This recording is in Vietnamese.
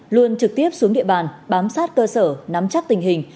luôn trực tiếp xuống địa bàn bám sát cơ sở nắm chắc tình hình